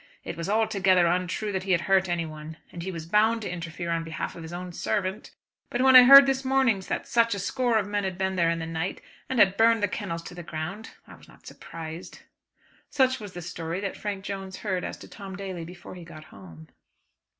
It was altogether untrue that he had hurt anyone. And he was bound to interfere on behalf of his own servant. But when I heard this morning that a score of men had been there in the night and had burned the kennels to the ground, I was not surprised." Such was the story that Frank Jones heard as to Tom Daly before he got home.